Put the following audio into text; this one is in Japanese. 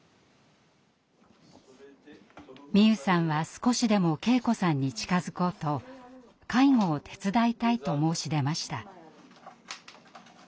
美夢さんは少しでも圭子さんに近づこうと「介護を手伝いたい」と申し出ました。